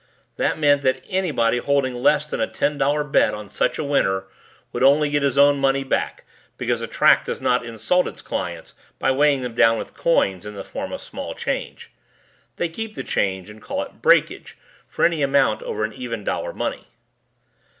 That meant that anybody holding less than a ten dollar bet on such a winner would only get his own money back because the track does not insult its clients by weighing them down with coins in the form of small change. They keep the change and call it "Breakage" for any amount over an even dollar money.